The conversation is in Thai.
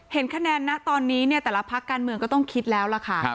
เห็นคะแนนนะตอนนี้เนี่ยแต่ละพักการเมืองก็ต้องคิดแล้วล่ะค่ะ